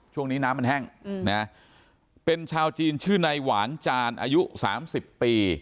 ช่วงนี้น้ำมันแห้งนะเป็นชาวจีนชื่อนายหวางจานอายุ๓๐ปี